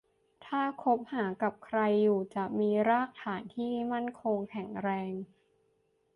ถ้าคบหากับใครอยู่จะมีรากฐานที่มั่นคงแข็งแรง